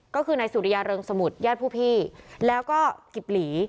ก็คือนายสุริยาเริงสมุทรญาติผู้พี่แล้วก็กิบหลี